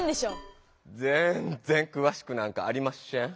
ぜんぜんくわしくなんかありましぇん。